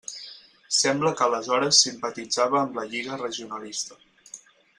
Sembla que aleshores simpatitzava amb la Lliga Regionalista.